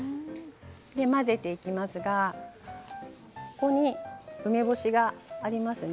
混ぜていきますがここに梅干しがありますね。